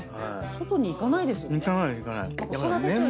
外に行かないですよね。